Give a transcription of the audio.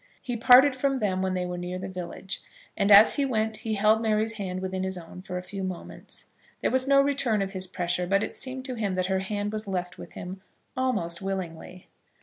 He parted from them when they were near the village, and as he went he held Mary's hand within his own for a few moments. There was no return of his pressure, but it seemed to him that her hand was left with him almost willingly.